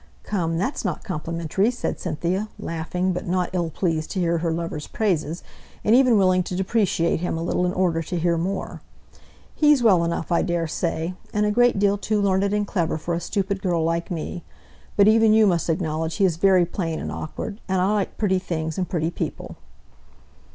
"Come, that's not complimentary!" said Cynthia, laughing, but not ill pleased to hear her lover's praises, and even willing to depreciate him a little in order to hear more. "He's well enough, I daresay, and a great deal too learned and clever for a stupid girl like me; but even you must acknowledge he's very plain and awkward; and I like pretty things and pretty people."